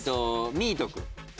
ミート君。